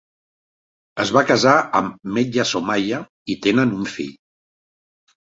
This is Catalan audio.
Es va casar amb Medha Somaiya i tenen un fill.